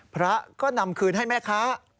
พระก็นำคืนให้แม่ค้า